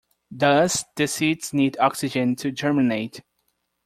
Thus the seeds need oxygen to germinate.